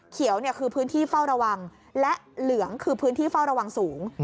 เขียวคือพื้นที่เฝ้าระวังและเหลืองคือพื้นที่เฝ้าระวังสูง